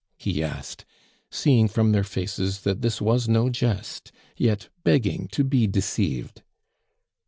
he asked, seeing from their faces that this was no jest, yet begging to be deceived.